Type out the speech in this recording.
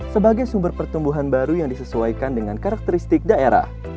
dan mempercepat pertumbuhan baru yang disesuaikan dengan karakteristik daerah